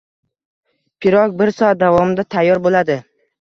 Pirog bir soat davomida tayyor bo‘ladi